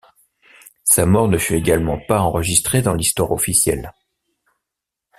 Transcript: Sa mort ne fut également pas enregistrée dans l'histoire officielle.